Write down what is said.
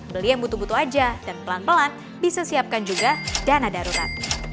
beli yang butuh butuh aja dan pelan pelan bisa siapkan juga dana darurat